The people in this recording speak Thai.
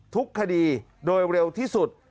ทุกคดีโดยเร็วที่สุด